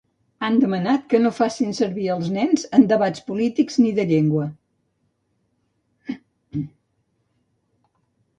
Han demanat que no facin servir els nens en debats polítics ni de llengua.